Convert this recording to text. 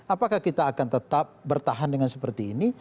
apakah kita akan tetap bertahan dengan seperti ini